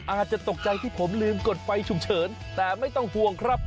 อาจจะตกใจที่ผมลืมกดไฟฉุกเฉินแต่ไม่ต้องห่วงครับ